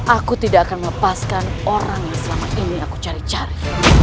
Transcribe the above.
aku tidak akan melepaskan orang yang selama ini aku cari cari